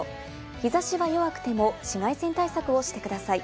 日差しは弱くても紫外線対策をしてください。